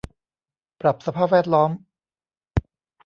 ปรับสภาพแวดล้อม